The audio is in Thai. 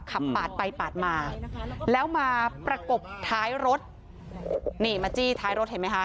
ขับปาดไปปาดมาแล้วมาประกบท้ายรถนี่มาจี้ท้ายรถเห็นไหมคะ